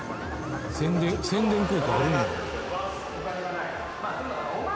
宣伝効果あるんやな。